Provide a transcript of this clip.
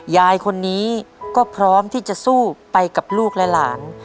ยายคนนี้ก็พร้อมที่จะสู้ไปกับลูกและหลาน